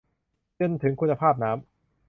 จนถึงคุณภาพน้ำ